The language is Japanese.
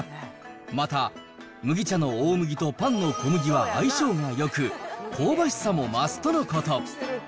また、麦茶の大麦とパンの小麦は相性がよく、香ばしさも増すとのこと。